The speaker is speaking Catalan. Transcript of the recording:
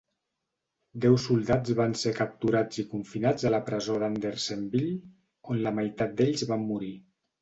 Deu soldats van ser capturats i confinats a la presó d'Andersonville, on la meitat d'ells van morir.